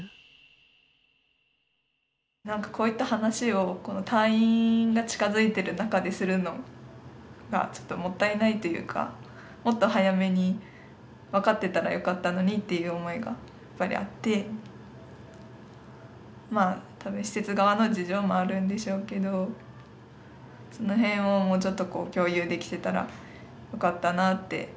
こういった話を退院が近づいている中でするのがもったいないというかもっと早めに分かってたらよかったのにという思いがやっぱりあって施設側の事情もあるんでしょうけどその辺をもうちょっと共有できてたらよかったなって。